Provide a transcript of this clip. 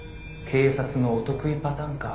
「警察のお得意パターンか」